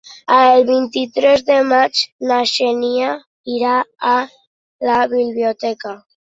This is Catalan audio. El vint-i-tres de maig na Xènia irà a la biblioteca.